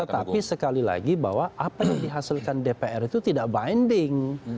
tetapi sekali lagi bahwa apa yang dihasilkan dpr itu tidak binding